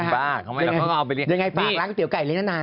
บ้ายังไงฝากร้านก๋วยเตี๋ยวไก่เลี้ยงนาน